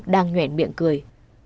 đang nhuện miệng cười